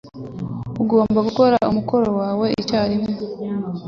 Ugomba gukora umukoro wawe icyarimwe.